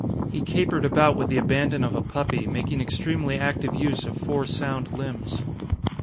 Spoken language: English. He capered about with the abandon of a puppy, making extremely active use of four sound limbs.